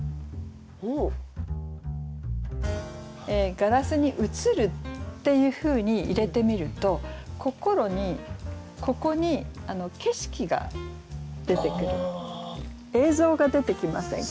「ガラスに映る」っていうふうに入れてみると「心」にここに映像が出てきませんか？